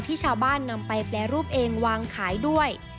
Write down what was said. ที่ชาวบ้านนำไปแปรรูปเองวางขายด้วย